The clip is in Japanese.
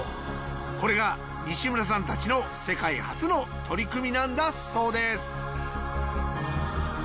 これが西村さんたちの世界初の取り組みなんだそうです